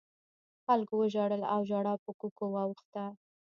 خلکو وژړل او ژړا په کوکو واوښته.